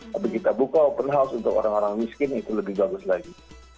tapi kita buka open house untuk orang orang miskin itu lebih bagus lagi